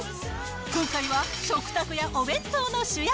今回は食卓やお弁当の主役、